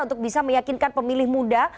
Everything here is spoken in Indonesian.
untuk bisa meyakinkan pemilih muda